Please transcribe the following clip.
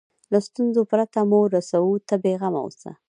له ستونزو پرته مو رسوو ته بیغمه اوسه.